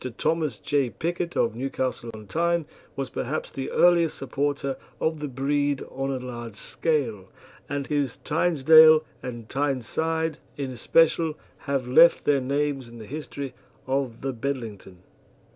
Thomas J. Pickett, of Newcastle on Tyne, was perhaps the earliest supporter of the breed on a large scale, and his Tynedale and Tyneside in especial have left their names in the history of the Bedlington.